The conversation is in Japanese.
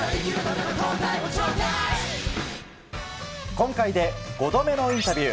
今回で５度目のインタビュー。